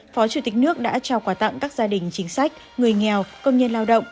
phó chủ tịch nước đã trao quà tặng các gia đình chính sách người nghèo công nhân lao động